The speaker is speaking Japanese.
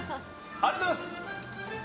ありがとうございます！